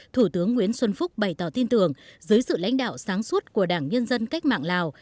thủ tướng nguyễn xuân phúc bày tỏ tin tưởng dưới sự lãnh đạo sáng suốt của đảng nhân dân cách mạng lào